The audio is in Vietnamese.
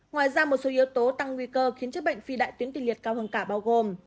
ngoài ra một số yếu tố tăng nguy cơ khiến chất bệnh phi đại tiến tình liệt cao hơn cả bao gồm